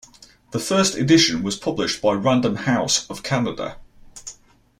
The first edition was published by Random House of Canada.